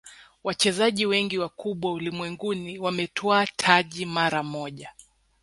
wachezaji wengi wakubwa ulimwenguni wametwaa taji mara moja